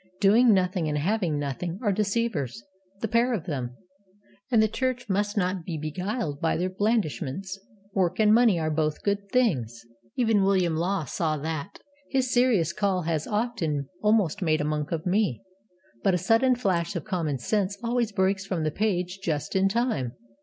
Doing Nothing and Having Nothing are deceivers the pair of them; and the Church must not be beguiled by their blandishments. Work and money are both good things. Even William Law saw that. His Serious Call has often almost made a monk of me, but a sudden flash of common sense always breaks from the page just in time.